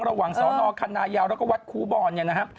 ระหว่างสอนอคันนายาวแล้วก็วัดครูบอลเนี่ยนะครับ